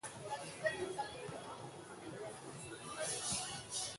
The Trust works to promote energy savings and a more efficient use of electricity.